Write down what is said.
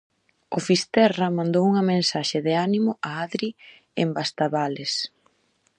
O Fisterra mandou unha mensaxe de ánimo a Adri en Bastavales.